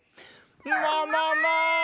ももも！